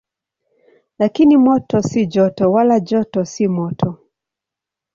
Lakini moto si joto, wala joto si moto.